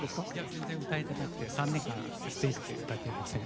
全然歌えてなくて３年間、ステージで歌っていません。